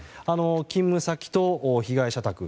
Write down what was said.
勤務先と被害者宅